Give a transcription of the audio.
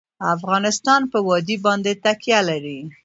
افغانستان په وادي باندې تکیه لري.